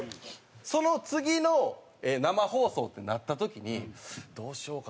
その次の生放送ってなった時にどうしようかな？